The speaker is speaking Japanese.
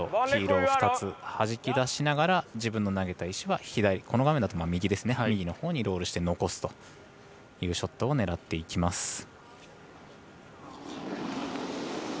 黄色を２つ、はじき出しながら自分の投げた石は右のほうにロールして残すというショットを狙っていきます。